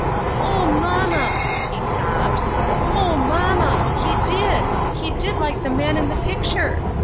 " O, mamma !" he sobbed, " O, mamma ! he did — he did like the man in the picture.